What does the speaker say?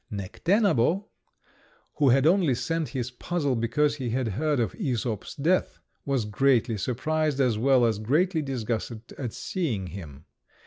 Necténabo, who had only sent his puzzle because he had heard of Æsop's death, was greatly surprised as well as greatly disgusted at seeing him.